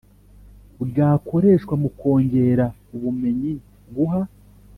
bwakoreshwa mu kongera ubumenyi Guha